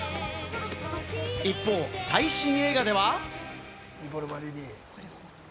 一方、最新映画では。